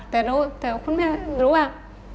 แต่คุณแม่รู้ว่า